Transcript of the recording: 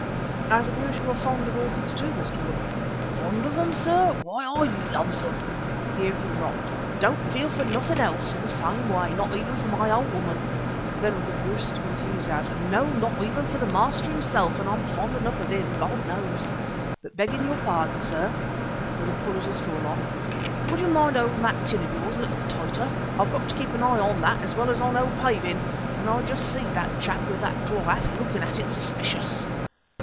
"I suppose you are fond of orchids, too, Mr. Woodden?" "Fond of them, sir? Why, I loves 'em!" (Here he rocked.) "Don't feel for nothing else in the same way; not even for my old woman" (then with a burst of enthusiasm) "no, not even for the master himself, and I'm fond enough of him, God knows! But, begging your pardon, sir" (with a pull at his forelock), "would you mind holding that tin of yours a little tighter? I've got to keep an eye on that as well as on 'O. Paving,' and I just see'd that chap with the tall hat alooking at it suspicious."